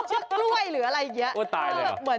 กล้วยหรืออะไรอย่างนี้